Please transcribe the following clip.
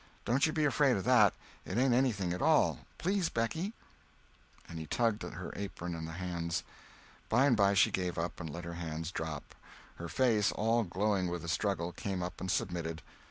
Don't you be afraid of that—it ain't anything at all. Please, Becky." And he tugged at her apron and the hands. By and by she gave up, and let her hands drop; her face, all glowing with the struggle, came up and submitted.